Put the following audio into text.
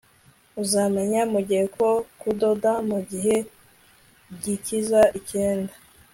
Uzamenya mugihe ko kudoda mugihe gikiza icyenda